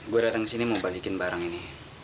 gue dateng sini mau bagikin barang ini